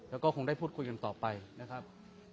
แล้วก็คงได้พูดคุยกันต่อไปนะครับ